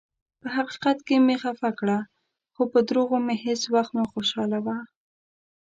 پۀ حقیقت مې خفه کړه، خو پۀ دروغو مې هیڅ ؤخت مه خوشالؤه.